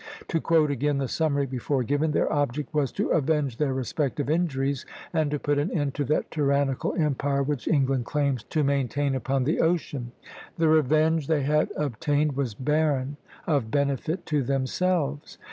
To quote again the summary before given, their object was "to avenge their respective injuries, and to put an end to that tyrannical empire which England claims to maintain upon the ocean." The revenge they had obtained was barren of benefit to themselves.